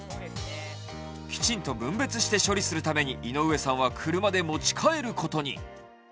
きちんと分別して処理するために井上さんは車で持ち帰ることに。